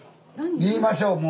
言いましょうもう。